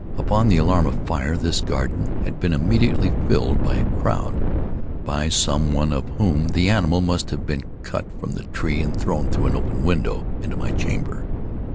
Upon the alarm of fire, this garden had been immediately filled by the crowd—by some one of whom the animal must have been cut from the tree and thrown, through an open window, into my chamber.